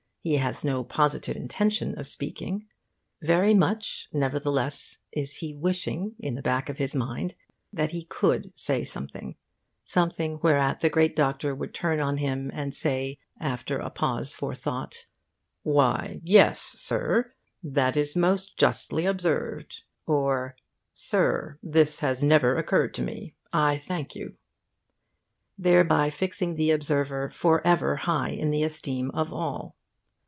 He has no positive intention of speaking. Very much, nevertheless, is he wishing in the back of his mind that he could say something something whereat the great Doctor would turn on him and say, after a pause for thought, 'Why yes, Sir. That is most justly observed' or 'Sir, this has never occurred to me. I thank you' thereby fixing the observer for ever high in the esteem of all.